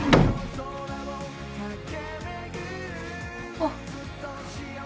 あっ。